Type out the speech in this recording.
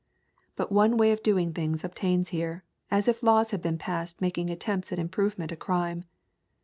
But one way of doing things obtains here, as if laws had been passed making attempts at improvement a crime.